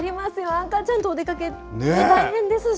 赤ちゃんとお出かけって大変ですし。